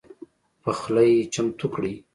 پخلی چمتو کړئ